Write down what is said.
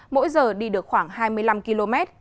mỗi giờ đi được khoảng hai mươi năm km